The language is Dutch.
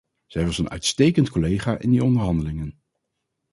Zij was een uitstekend collega in die onderhandelingen.